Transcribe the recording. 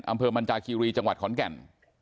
อำเภอมันจาคีรีจังหวัดขอนแก่น